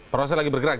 proses lagi bergerak